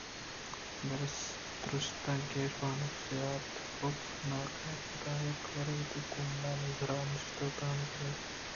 بلئے درستاں گیش بانک زیات حُبّ ناک اَت آ پدا یک وارے وتی کونڈانی سرا نشت ءُتاں دیر ءَ چارگءَ بوت